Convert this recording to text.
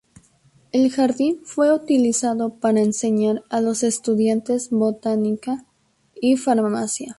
El jardín fue utilizado para enseñar a los estudiantes botánica y farmacia.